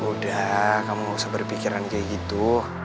udah kamu gak usah berpikiran kayak gitu